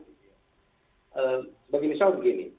bagi misalnya begini